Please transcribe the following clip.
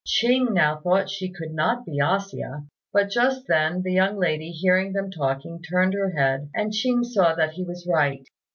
Ching now thought she could not be A hsia, but just then the young lady, hearing them talking, turned her head, and Ching saw that he was right.